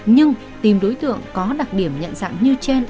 nhưng tìm đối tượng có đặc điểm nhận dạng như trên